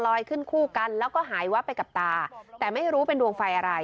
ขึ้นคู่กันแล้วก็หายวับไปกับตาแต่ไม่รู้เป็นดวงไฟอะไร